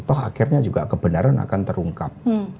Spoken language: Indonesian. toh akhirnya juga kebenaran akan terungkap